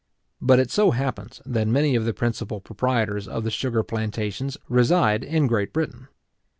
But it so happens, that many of the principal proprietors of the sugar plantations reside in Great Britain.